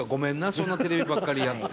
そんなテレビばっかりやって。